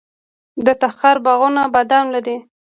د تخار باغونه بادام لري.